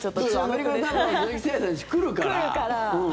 アメリカに多分鈴木誠也選手、来るから。